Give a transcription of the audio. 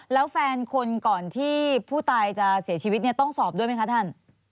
แล้วแฟนคนก่อนที่ผู้ตายจะเสียชีวิตเนี่ยต้องสอบด้วยไหมคะท่าน